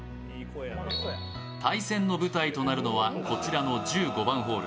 対戦の舞台となるのはこちらの１５番ホール。